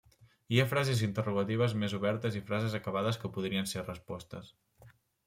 Hi ha frases interrogatives més obertes i frases acabades que podrien ser respostes.